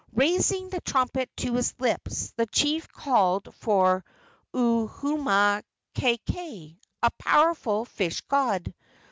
Raising the trumpet to his lips, the chief called for Uhumakaikai, a powerful fish god.